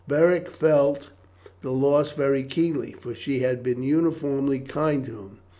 Beric felt the loss very keenly, for she had been uniformly kind to him.